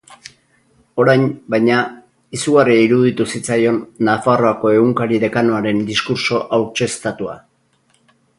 Orain, baina, izugarria iruditu zitzaion Nafarroako egunkari dekanoaren diskurtso hautseztatua.